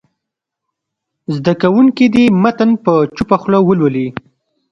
زده کوونکي دې متن په چوپه خوله ولولي.